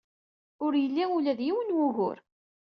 Ur yelli ula d yiwen n wugur.